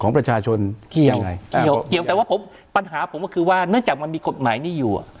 ปัญหาผมก็คือว่าเนื่องจากมันมีกฎหมายนี้อยู่